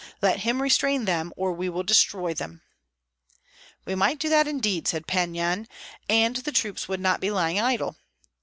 Let him restrain them, or we will destroy them." "We might do that, indeed," said Pan Yan, "and the troops would not be lying idle."